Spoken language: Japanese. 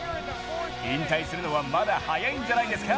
引退するのはまだ速いんじゃないですか？